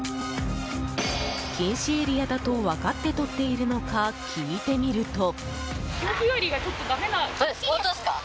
禁止エリアだと分かってとっているのか、聞いてみると。